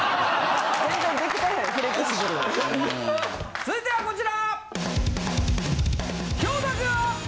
続いてはこちら！